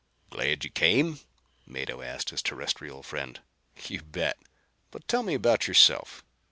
"Glad you came?" Mado asked his Terrestrial friend. "You bet. But tell me about yourself.